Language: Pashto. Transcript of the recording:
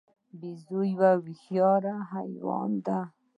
بیزو یو هوښیار حیوان دی.